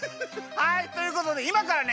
はいということでいまからね